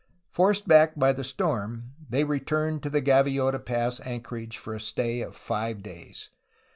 Forced back by the storm they returned to the Gaviota Pass anchorage for a stay of five days.